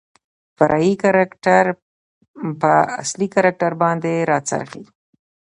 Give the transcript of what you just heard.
فرعي کرکتر په اصلي کرکتر باندې راڅرخي .